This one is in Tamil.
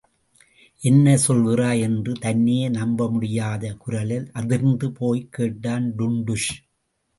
என்ன சொல்கிறாய்? என்று தன்னையே நம்பமுடியாத குரலில் அதிர்ந்து போய்க் கேட்டான் டுன்டுஷ்.